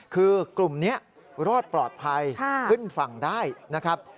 คือกลุ่มนี้รอดปลอดภัยขึ้นฝั่งได้นะครับ